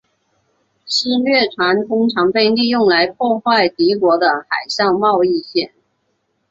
私掠船通常被利用来破坏敌国的海上贸易线。